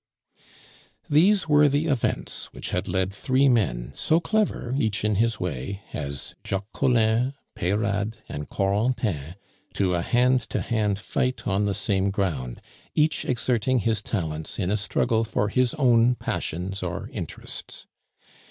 These were the events which had led three men, so clever, each in his way, as Jacques Collin, Peyrade, and Corentin, to a hand to hand fight on the same ground, each exerting his talents in a struggle for his own passions or interests.